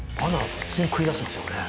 突然食い出すんですよね